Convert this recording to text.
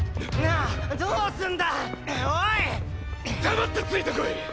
黙ってついてこい！